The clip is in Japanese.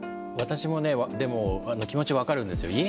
私もねでも気持ち分かるんですよ。